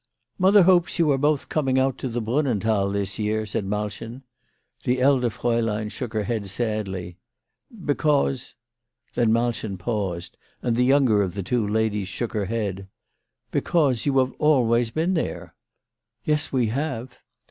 "Mother hopes you are both coming out to the Brunnenthal this year/' said Malchen. The elder fraulein shook her head sadly. " Because " Then Malchen paused, and the younger of the two ladies shook her head. " Because you always have been there." "Yes, we have."